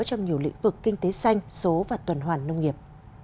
trong nhiều lĩnh vực kinh tế xanh số và tuần hoàn nông nghiệp